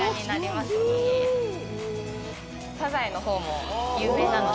サザエのほうも有名なので。